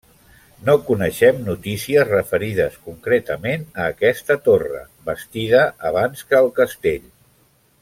No coneixem notícies referides concretament a aquesta torre, bastida abans que el castell.